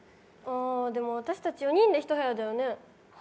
でも、私たち４人で１部屋だよね？